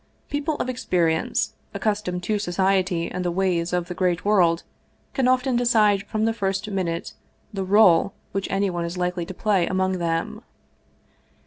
People of experience, accustomed to society and the ways of the great world, can often decide from the first minute the role which anyone is likely to play among them.